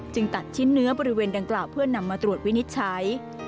ตัดชิ้นเนื้อบริเวณดังกล่าวเพื่อนำมาตรวจวินิจฉัย